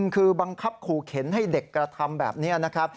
คือบังคับขู่เข็นให้เด็กกระทำแบบนี้นะครับ